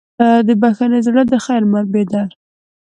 د بښنې زړه د خیر منبع ده.